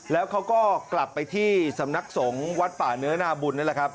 แล้วเขาก็กลับไปที่สำนักสงฆ์วัดป่าเนื้อนาบุญนี่แหละครับ